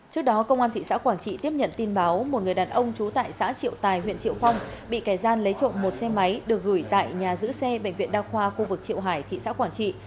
trước đó công an thị xã quảng trị tiếp nhận tin báo một người đàn ông trú tại xã triệu tài huyện triệu phong bị kẻ gian lấy trộm một xe máy được gửi tại nhà giữ xe bệnh viện đa khoa khu vực triệu hải thị xã quảng trị